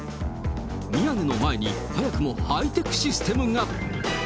宮根の前に早くもハイテクシステムが。